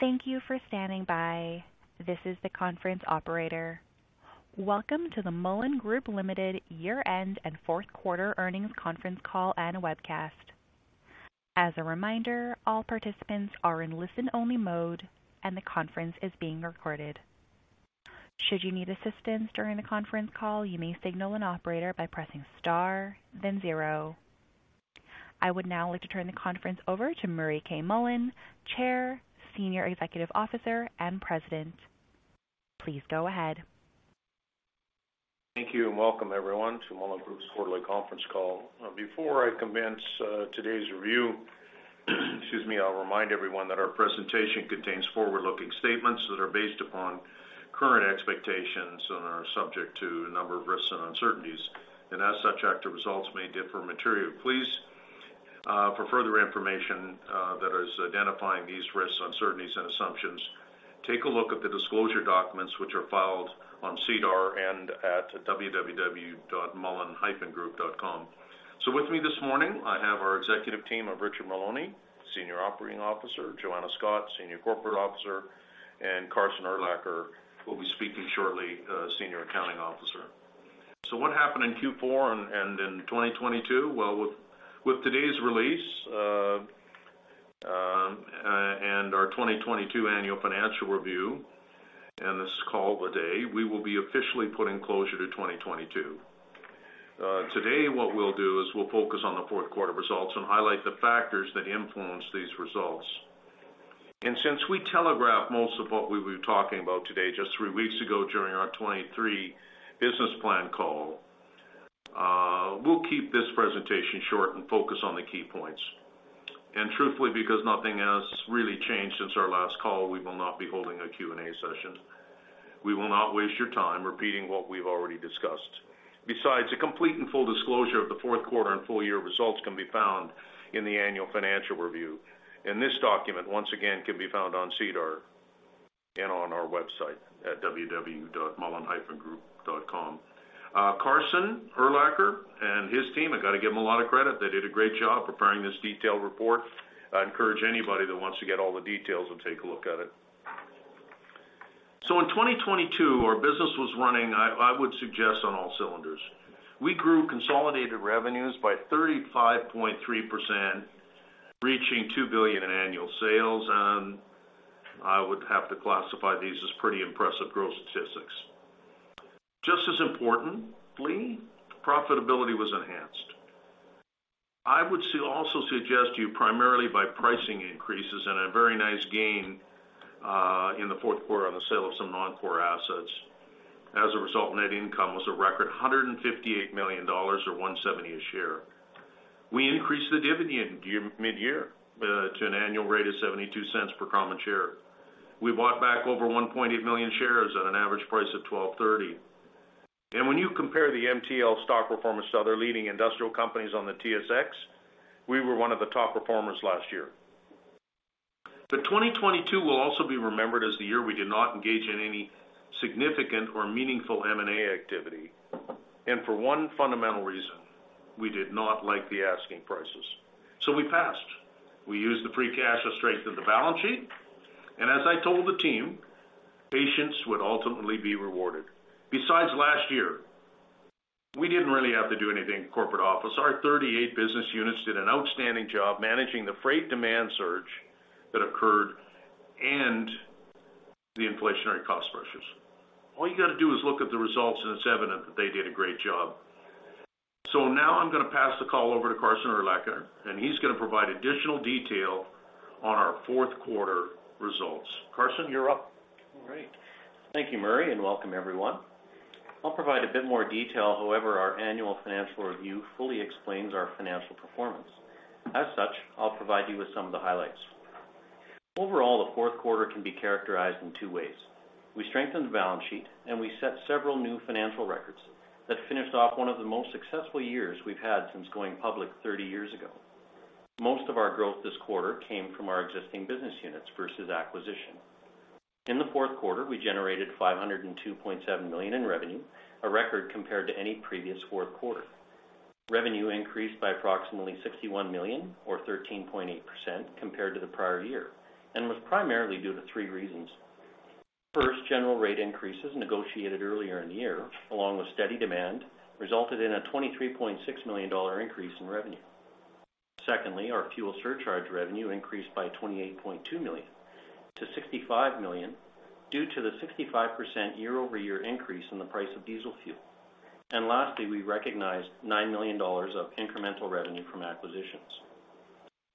Thank you for standing by. This is the conference operator. Welcome to the Mullen Group Limited Year-End and Fourth Quarter earnings conference call and Webcast. As a reminder, all participants are in listen-only mode, and the conference is being recorded. Should you need assistance during the conference call, you may signal an operator by pressing star then zero. I would now like to turn the conference over to Murray K. Mullen, Chair, Senior Executive Officer, and President. Please go ahead. Thank you, and welcome everyone to Mullen Group's quarterly conference call. Before I commence, today's review, excuse me, I'll remind everyone that our presentation contains forward-looking statements that are based upon current expectations and are subject to a number of risks and uncertainties. As such, actual results may differ materially. Please, for further information, that is identifying these risks, uncertainties, and assumptions, take a look at the disclosure documents which are filed on SEDAR and at www.mullen-group.com. With me this morning, I have our executive team of Richard Maloney, Senior Operating Officer, Joanna Scott, Senior Corporate Officer, and Carson Urlacher, will be speaking shortly, Senior Accounting Officer. What happened in Q4 and in 2022? With today's release, and our 2022 annual financial review and this call today, we will be officially putting closure to 2022. Today, what we'll do is we'll focus on the fourth quarter results. We'll highlight the factors that influence these results. Since we telegraphed most of what we'll be talking about today just three weeks ago during our 2023 business plan call, we'll keep this presentation short and focus on the key points. Truthfully, because nothing has really changed since our last call, we will not be holding a Q&A session. We will not waste your time repeating what we've already discussed. A complete and full disclosure of the fourth quarter and full year results can be found in the annual financial review. This document, once again, can be found on SEDAR and on our website at www.mullen-group.com. Carson Urlacher and his team, I gotta give them a lot of credit. They did a great job preparing this detailed report. I encourage anybody that wants to get all the details to take a look at it. In 2022, our business was running, I would suggest, on all cylinders. We grew consolidated revenues by 35.3%, reaching 2 billion in annual sales. I would have to classify these as pretty impressive growth statistics. Just as importantly, profitability was enhanced. I would also suggest to you primarily by pricing increases and a very nice gain in the fourth quarter on the sale of some non-core assets. As a result, net income was a record 158 million dollars or 1.70 a share. We increased the dividend mid-year to an annual rate of 0.72 per common share. We bought back over 1.8 million shares at an average price of 12.30. When you compare the MTL stock performance to other leading industrial companies on the TSX, we were one of the top performers last year. 2022 will also be remembered as the year we did not engage in any significant or meaningful M&A activity. For one fundamental reason, we did not like the asking prices, so we passed. We used the free cash to strengthen the balance sheet. As I told the team, patience would ultimately be rewarded. Besides last year, we didn't really have to do anything in the corporate office. Our 38 business units did an outstanding job managing the freight demand surge that occurred and the inflationary cost pressures. All you gotta do is look at the results, and it's evident that they did a great job. Now I'm gonna pass the call over to Carson Urlacher, and he's gonna provide additional detail on our fourth quarter results. Carson, you're up. All right. Thank you, Murray. Welcome everyone. I'll provide a bit more detail, however, our annual financial review fully explains our financial performance. As such, I'll provide you with some of the highlights. Overall, the fourth quarter can be characterized in two ways. We strengthened the balance sheet. We set several new financial records that finished off one of the most successful years we've had since going public 30 years ago. Most of our growth this quarter came from our existing business units versus acquisition. In the fourth quarter, we generated 502.7 million in revenue, a record compared to any previous fourth quarter. Revenue increased by approximately 61 million or 13.8% compared to the prior year and was primarily due to three reasons. First, general rate increases negotiated earlier in the year, along with steady demand, resulted in a 23.6 million dollar increase in revenue. Secondly, our fuel surcharge revenue increased by 28.2 million-65 million due to the 65% year-over-year increase in the price of diesel fuel. Lastly, we recognized 9 million dollars of incremental revenue from acquisitions.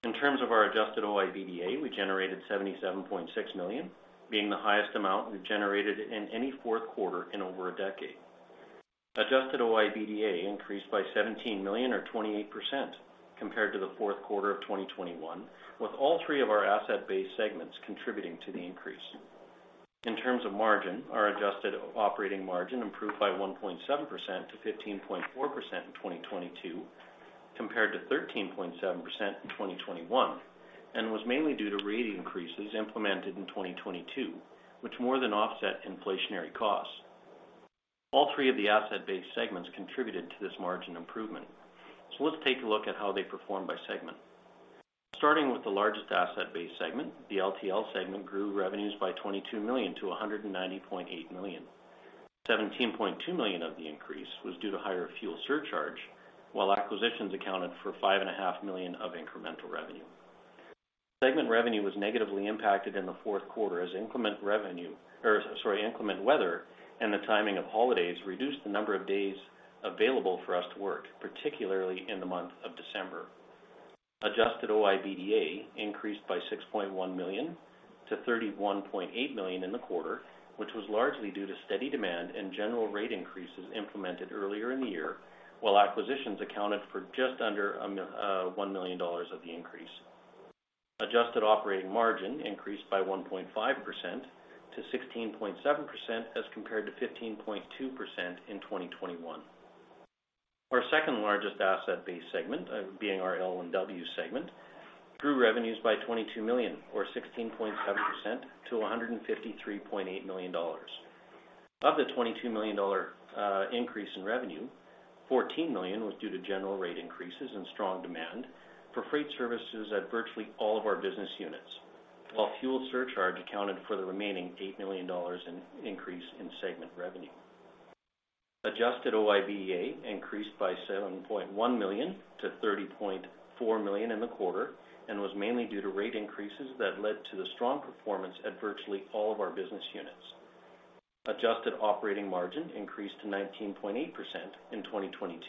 In terms of our adjusted OIBDA, we generated 77.6 million, being the highest amount we generated in any fourth quarter in over a decade. Adjusted OIBDA increased by 17 million or 28% compared to the fourth quarter of 2021, with all three of our asset-based segments contributing to the increase. In terms of margin, our adjusted operating margin improved by 1.7%-15.4% in 2022 compared to 13.7% in 2021 and was mainly due to rate increases implemented in 2022, which more than offset inflationary costs. All three of the asset-based segments contributed to this margin improvement. Let's take a look at how they performed by segment. Starting with the largest asset-based segment, the LTL segment grew revenues by CAD 22 million-CAD 190.8 million. CAD 17.2 million of the increase was due to higher fuel surcharge, while acquisitions accounted for CAD 5.5 million of incremental revenue. Segment revenue was negatively impacted in the fourth quarter as inclement weather and the timing of holidays reduced the number of days available for us to work, particularly in the month of December. Adjusted OIBDA increased by 6.1 million-31.8 million in the quarter, which was largely due to steady demand and general rate increases implemented earlier in the year, while acquisitions accounted for just under 1 million dollars of the increase. Adjusted operating margin increased by 1.5%-16.7% as compared to 15.2% in 2021. Our second-largest asset base segment, being our L&W segment, grew revenues by 22 million, or 16.7% to 153.8 million dollars. Of the 22 million dollar increase in revenue, 14 million was due to general rate increases and strong demand for freight services at virtually all of our business units, while fuel surcharge accounted for the remaining 8 million dollars in increase in segment revenue. Adjusted OIBDA increased by 7.1 million to or 30.4 million in the quarter, and was mainly due to rate increases that led to the strong performance at virtually all of our business units. Adjusted operating margin increased to 19.8% in 2022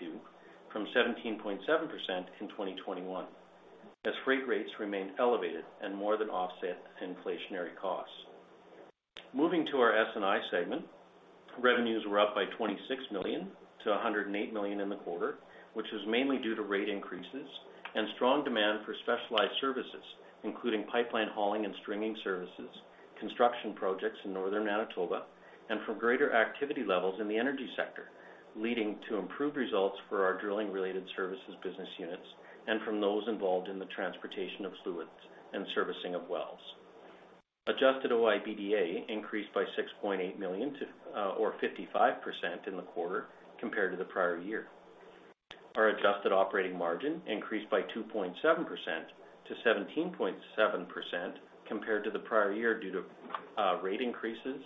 from 17.7% in 2021 as freight rates remained elevated and more than offset inflationary costs. Moving to our S&I segment, revenues were up by 26 million to 108 million in the quarter, which was mainly due to rate increases and strong demand for specialized services, including pipeline hauling and stringing services, construction projects in Northern Manitoba, and from greater activity levels in the energy sector, leading to improved results for our drilling-related services business units and from those involved in the transportation of fluids and servicing of wells. Adjusted OIBDA increased by $6.8 million to or 55% in the quarter compared to the prior year. Our adjusted operating margin increased by 2.7%-17.7% compared to the prior year due to rate increases,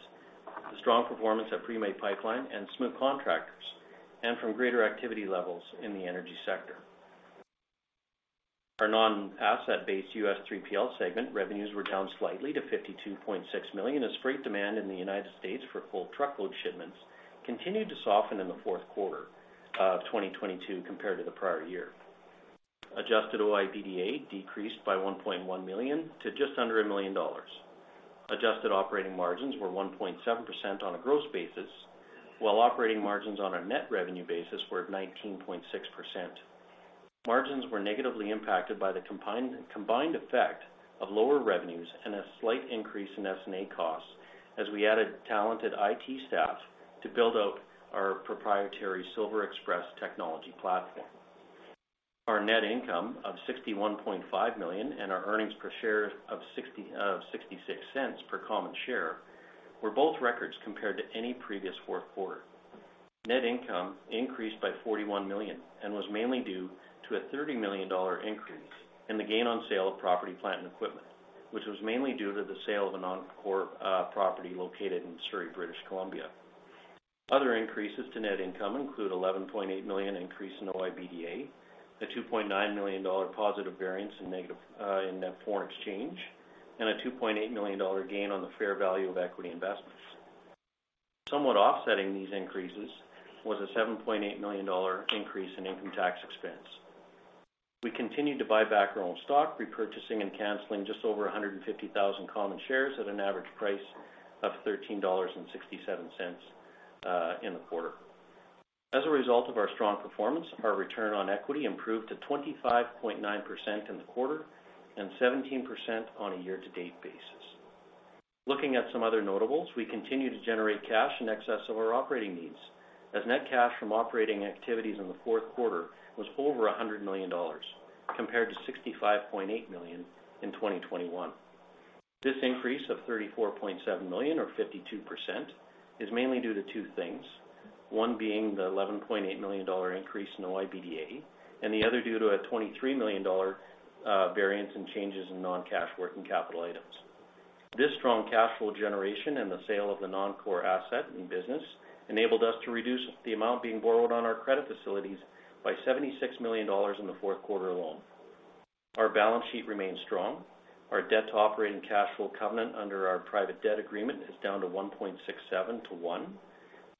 the strong performance at Premay Pipeline and Smook Contractors, and from greater activity levels in the energy sector. Our non-asset-based US 3PL segment revenues were down slightly to $52.6 million as freight demand in the United States for full truckload shipments continued to soften in the fourth quarter of 2022 compared to the prior year. Adjusted OIBDA decreased by $1.1 million to just under $1 million. Adjusted operating margins were 1.7% on a gross basis, while operating margins on a net revenue basis were at 19.6%. Margins were negatively impacted by the combined effect of lower revenues and a slight increase in S&A costs as we added talented IT staff to build out our proprietary SilverExpress technology platform. Our net income of 61.5 million and our earnings per share of 0.66 per common share were both records compared to any previous fourth quarter. Net income increased by 41 million and was mainly due to a 30 million dollar increase in the gain on sale of property, plant, and equipment, which was mainly due to the sale of a non-core property located in Surrey, British Columbia. Other increases to net income include 11.8 million increase in OIBDA, a 2.9 million dollar positive variance in net foreign exchange, and a 2.8 million dollar gain on the fair value of equity investments. Somewhat offsetting these increases was a 7.8 million dollar increase in income tax expense. We continued to buy back our own stock, repurchasing and canceling just over 150,000 common shares at an average price of 13.67 dollars in the quarter. As a result of our strong performance, our return on equity improved to 25.9% in the quarter and 17% on a year-to-date basis. Looking at some other notables, we continue to generate cash in excess of our operating needs as net cash from operating activities in the fourth quarter was over 100 million dollars compared to 65.8 million in 2021. This increase of 34.7 million or 52% is mainly due to two things. One being the 11.8 million dollar increase in OIBDA, and the other due to a 23 million dollar variance in changes in non-cash working capital items. This strong cash flow generation and the sale of the non-core asset and business enabled us to reduce the amount being borrowed on our credit facilities by 76 million dollars in the fourth quarter alone. Our balance sheet remains strong. Our debt-to-operating cash flow covenant under our private debt agreement is down to 1.67 to 1,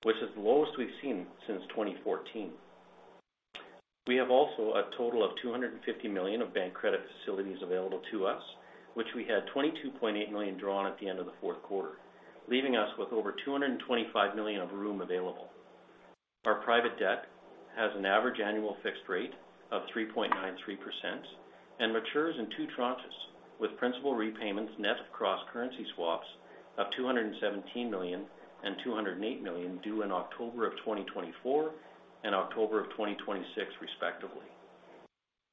which is the lowest we've seen since 2014. We have also a total of 250 million of bank credit facilities available to us, which we had 22.8 million drawn at the end of the fourth quarter, leaving us with over 225 million of room available. Our private debt has an average annual fixed rate of 3.93% and matures in two tranches with principal repayments net of cross-currency swaps of 217 million and 208 million due in October of 2024 and October of 2026, respectively.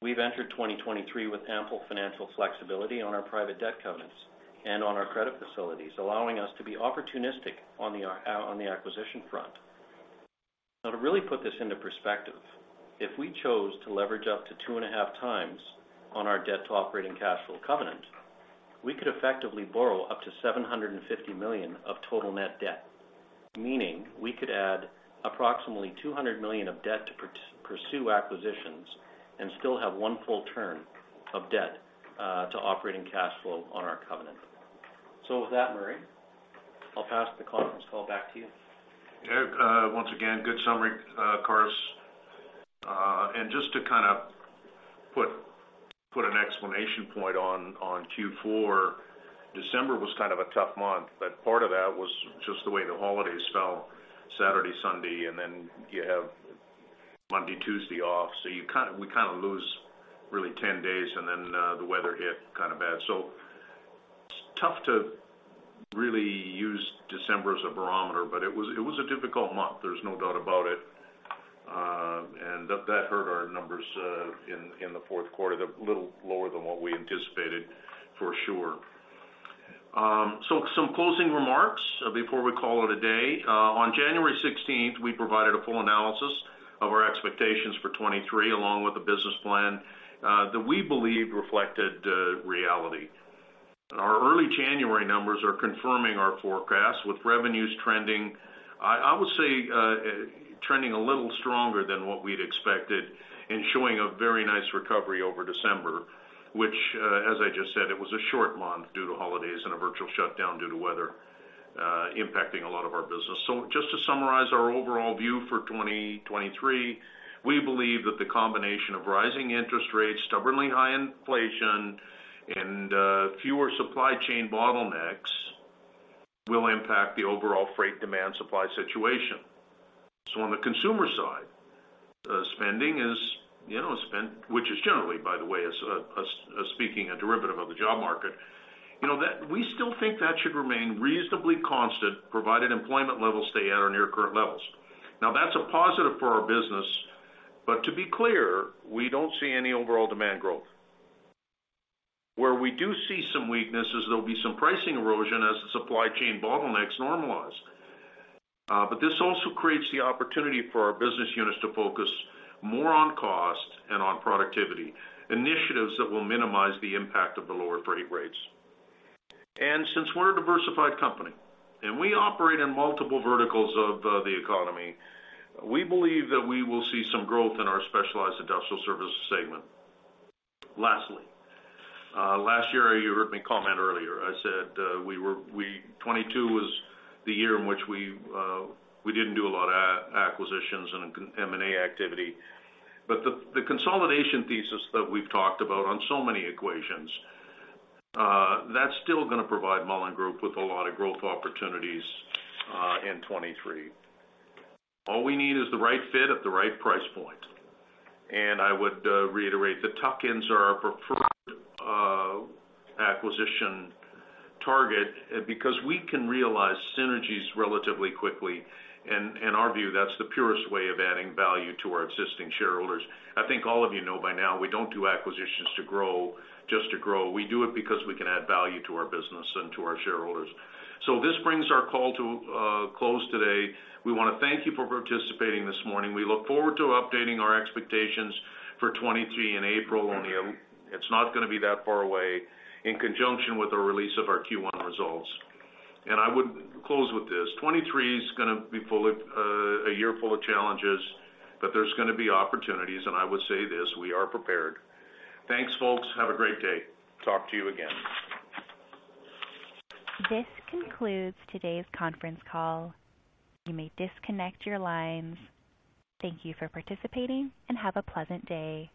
We've entered 2023 with ample financial flexibility on our private debt covenants and on our credit facilities, allowing us to be opportunistic on the acquisition front. Now, to really put this into perspective, if we chose to leverage up to 2.5 times on our debt-to-operating cash flow covenant, we could effectively borrow up to 750 million of total net debt, meaning we could add approximately 200 million of debt to pursue acquisitions and still have one full term of debt to operating cash flow on our covenant. With that, Murray, I'll pass the conference call back to you. Once again, good summary, Carson. Just to kind of put an explanation point on Q4, December was kind of a tough month, but part of that was just the way the holidays fell Saturday, Sunday, and then you have Monday, Tuesday off. We kind of lose really 10 days, and then the weather hit kind of bad. It's tough to really use December as a barometer, but it was a difficult month. There's no doubt about it. That hurt our numbers in the fourth quarter. They're a little lower than what we anticipated for sure. Some closing remarks before we call it a day. On January 16th, we provided a full analysis of our expectations for 2023, along with a business plan that we believe reflected reality. Our early January numbers are confirming our forecast, with revenues trending, I would say, trending a little stronger than what we'd expected and showing a very nice recovery over December, which as I just said, it was a short month due to holidays and a virtual shutdown due to weather impacting a lot of our business. Just to summarize our overall view for 2023, we believe that the combination of rising interest rates, stubbornly high inflation, and fewer supply chain bottlenecks will impact the overall freight demand supply situation. On the consumer side, spending is, you know, which is generally, by the way, is speaking a derivative of the job market, you know, we still think that should remain reasonably constant, provided employment levels stay at or near current levels. Now that's a positive for our business, but to be clear, we don't see any overall demand growth. Where we do see some weakness is there'll be some pricing erosion as the supply chain bottlenecks normalize. This also creates the opportunity for our business units to focus more on cost and on productivity, initiatives that will minimize the impact of the lower freight rates. Since we're a diversified company, and we operate in multiple verticals of the economy, we believe that we will see some growth in our specialized industrial services segment. Lastly, last year you heard me comment earlier. I said, 22 was the year in which we didn't do a lot of acquisitions and M&A activity. The consolidation thesis that we've talked about on so many equations, that's still gonna provide Mullen Group with a lot of growth opportunities in 23. All we need is the right fit at the right price point. I would reiterate the tuck-ins are our preferred acquisition target because we can realize synergies relatively quickly. In our view, that's the purest way of adding value to our existing shareholders. I think all of you know by now, we don't do acquisitions to grow just to grow. We do it because we can add value to our business and to our shareholders. This brings our call to close today. We wanna thank you for participating this morning. We look forward to updating our expectations for 2023 in April. It's not gonna be that far away, in conjunction with the release of our Q1 results. I would close with this. 2023's gonna be full of a year full of challenges, but there's gonna be opportunities, and I would say this: we are prepared. Thanks, folks. Have a great day. Talk to you again. This concludes today's conference call. You may disconnect your lines. Thank you for participating, and have a pleasant day.